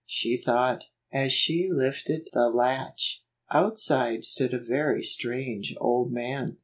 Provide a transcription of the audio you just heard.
she thought, as she lifted the latch. Outside stood a very strange old man.